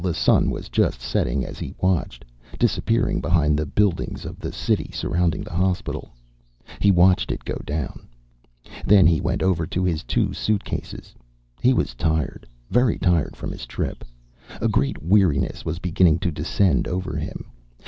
The sun was just setting as he watched, disappearing behind the buildings of the city surrounding the hospital. He watched it go down. Then he went over to his two suitcases. He was tired, very tired from his trip. A great weariness was beginning to descend over him.